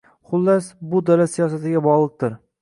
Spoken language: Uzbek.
Xullas, bu davlat siyosatiga bogʻliqdir.